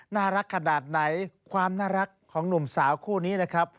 น่ารักขนาดไหนความน่ารักของหนุ่มสาวคู่นี้นะครับ